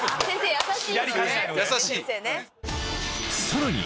優しい！